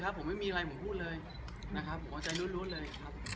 ความรู้สึกแรกเป็นยังไงบ้าง